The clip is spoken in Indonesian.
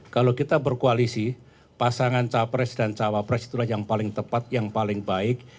kalau kita berkoalisi pasangan capres dan cawapres itulah yang paling tepat yang paling baik